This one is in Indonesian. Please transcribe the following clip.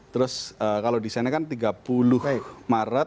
terus kalau desainnya kan tiga puluh maret